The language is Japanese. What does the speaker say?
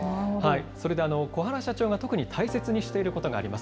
それで小原社長が特に大切にしていることがあります。